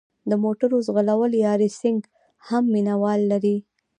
د موټرو ځغلول یا ریسینګ هم مینه وال لري.